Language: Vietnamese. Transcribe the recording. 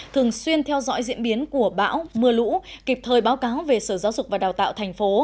thường xuyên theo dõi diễn biến của bão mưa lũ kịp thời báo cáo về sở giáo dục và đào tạo thành phố